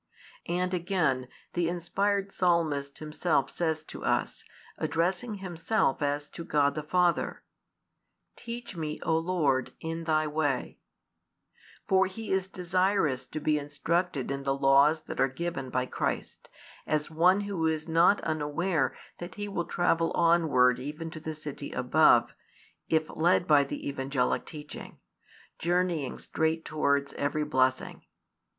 And again, the inspired Psalmist himself says to us, addressing himself as to God the Father: Teach me, O Lord, in Thy way: for he is desirous to be instructed in the laws that are given by Christ, as one who is not unaware that he will travel onward even to the city above, if led by the Evangelic teaching, journeying straight towards every blessing.